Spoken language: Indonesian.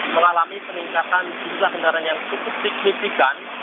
mengalami peningkatan jumlah kendaraan yang cukup signifikan